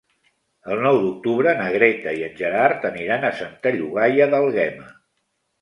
El nou d'octubre na Greta i en Gerard aniran a Santa Llogaia d'Àlguema.